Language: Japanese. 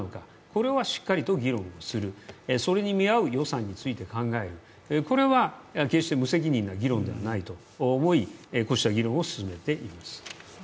これはしっかりと議論する、それに見合う予算について考える、これは決して無責任な議論ではないと思い、こうした議論を進めています。